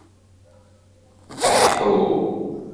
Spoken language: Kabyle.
Aḥḥu!